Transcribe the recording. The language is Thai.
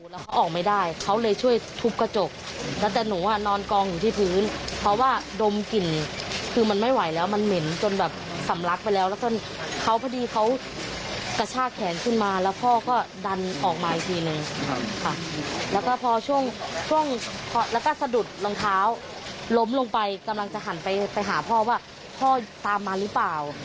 ล้มลงไปกำลังจะหันไปหาพ่อว่าพ่อตามมาหรือเปล่า